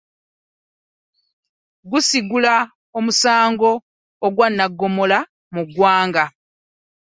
Gusigala musango gwa naggomola mu ggwanga.